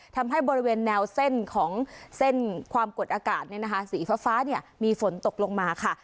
ทำให้บริเวณแนวเส้นของเส้นความกดอากาศสีฟ้ามีฝนตกลงมาค่ะ